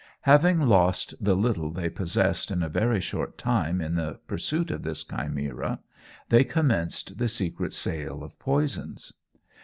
Having lost the little they possessed in a very short time in the pursuit of this chimera, they commenced the secret sale of poisons.